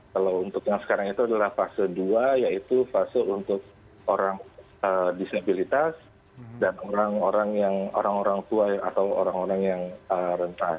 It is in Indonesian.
kalau untuk yang sekarang itu adalah fase dua yaitu fase untuk orang disabilitas dan orang orang tua atau orang orang yang rentan